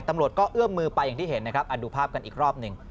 ตำรวจก็เอื้อมมือไปอย่างที่เห็นนะครับดูภาพกันอีกรอบหนึ่ง